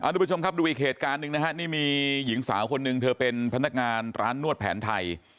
ทุกผู้ชมครับดูอีกเหตุการณ์หนึ่งนะฮะนี่มีหญิงสาวคนหนึ่งเธอเป็นพนักงานร้านนวดแผนไทย